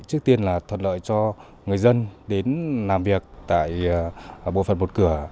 trước tiên là thuận lợi cho người dân đến làm việc tại bộ phận một cửa